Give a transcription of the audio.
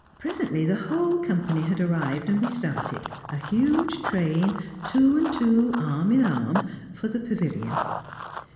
Presently the whole company had arrived, and we started a huge train, two and two, arm in arm for the pavilion.